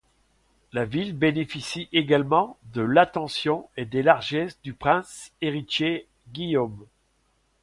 La ville bénéficie également de l'attention et des largesses du prince héritier Guillaume.